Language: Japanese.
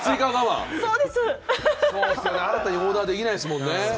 後からオーダーできないですもんね。